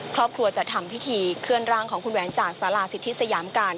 ครอบครัวจะทำพิธีเคลื่อนร่างของคุณแหวนจากสาราสิทธิสยามการ